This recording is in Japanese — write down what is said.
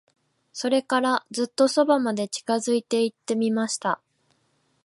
それから、ずっと側まで近づいて行ってみました。